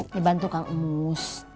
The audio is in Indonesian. dibantu kak umus